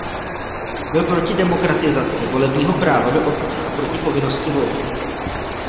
Byl proti demokratizaci volebního práva do obcí a proti povinnosti volit.